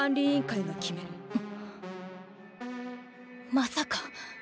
まさか。